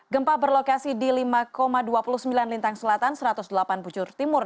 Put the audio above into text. gempa berlokasi di lima dua puluh sembilan lintang selatan satu ratus delapan bujur timur